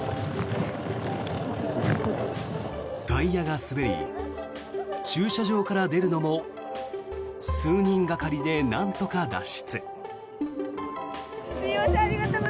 タイヤが滑り駐車場から出るのも数人がかりでなんとか脱出。